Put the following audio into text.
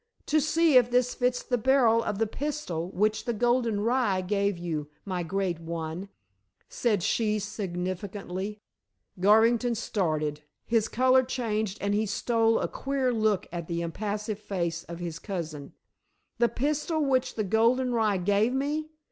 "To see if this fits the barrel of the pistol which the golden rye gave you, my great one," said she significantly. Garvington started, his color changed and he stole a queer look at the impassive face of his cousin. "The pistol which the golden rye gave me?"